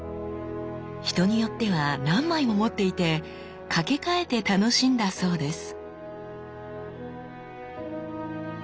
人によっては何枚も持っていて掛け替えて楽しんだそうです。